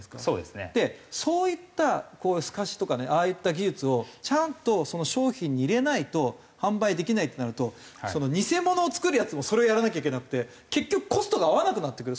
でそういったすかしとかねああいった技術をちゃんと商品に入れないと販売できないってなると偽物を作るヤツもそれをやらなきゃいけなくて結局コストが合わなくなってくる。